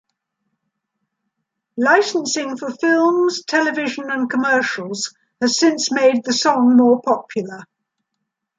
Licensing for films, television, and commercials has since made the song more popular.